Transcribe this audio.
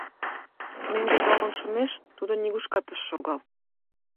Мӧҥгӧ толын шумеш тудо нигушкат ыш шогал.